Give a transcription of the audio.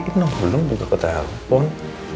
nino belum buka kota handphone